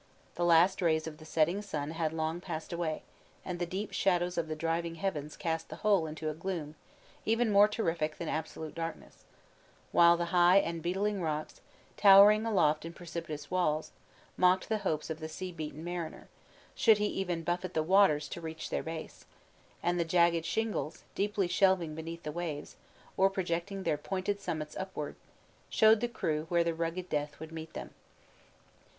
The last rays of the setting sun had long passed away, and the deep shadows of the driving heavens cast the whole into a gloom, even more terrific than absolute darkness; while the high and beetling rocks, towering aloft in precipitous walls, mocked the hopes of the sea beaten mariner, should he even buffet the waters to reach their base; and the jagged shingles, deeply shelving beneath the waves, or projecting their pointed summits upward, showed the crew where the rugged death would meet them.